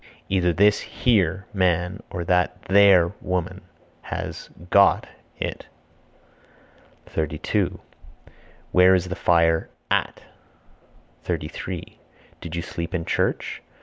Either this (here) man or that (there) woman has (got) it. 32. Where is the fire (at)? 33. Did you sleep in church?